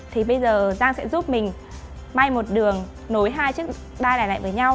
thì bây giờ giang sẽ giúp mình may một đường nối hai chiếc ba này lại với nhau